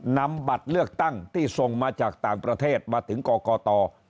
นำบัตรเลือกตั้งที่ส่งมาจากต่างประเทศมาถึงกกต